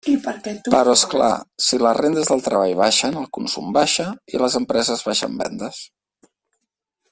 Però, és clar, si les rendes del treball baixen, el consum baixa i les empreses baixen vendes.